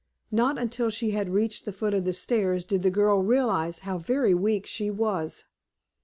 Not until she had reached the foot of the stairs did the girl realize how very weak she was.